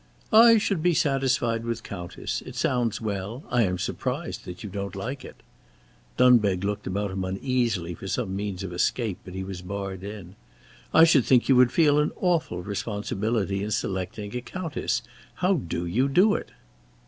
"I should be satisfied with Countess. It sounds well. I am surprised that you don't like it." Dunbeg looked about him uneasily for some means of escape but he was barred in. "I should think you would feel an awful responsibility in selecting a Countess. How do you do it?"